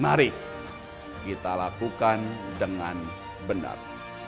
mari kita lakukan dengan benar